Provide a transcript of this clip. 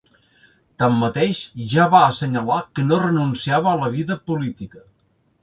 Tanmateix, ja va assenyalar que no renunciava a la vida política.